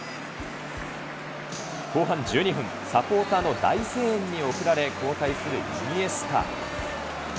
後半１２分、サポーターの大声援に送られ交代するイニエスタ。